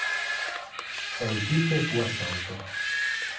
Eutiche fu assolto.